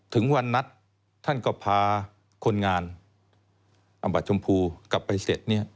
ถึงวันนัดท่านก็พาคนงานอำบัดชมพูกลับไปเสร็จ